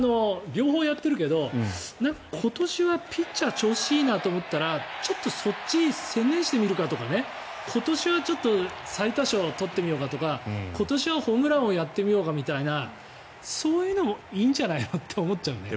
両方やっているけど今年はピッチャー調子いいなと思ったらちょっとそっちに専念してみるかとか今年はちょっと最多勝を取ってみようかとか今年はホームラン王やってみようかみたいなそういうのもいいんじゃないのって思っちゃうね。